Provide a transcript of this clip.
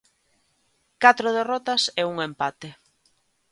Catro derrotas e un empate.